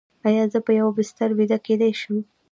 ایا زه په یوه بستر ویده کیدی شم؟